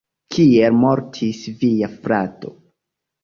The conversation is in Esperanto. Kiel mortis via frato?